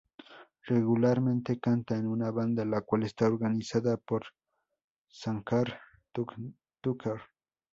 Regularmente, canta en una banda la cual está organizada por Shankar Tucker.